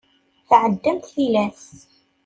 Tɛeddamt tilas.